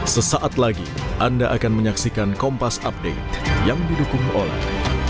sesaat lagi anda akan menyaksikan kompas update yang didukung oleh